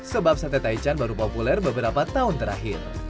sebab satay tai chan baru populer beberapa tahun terakhir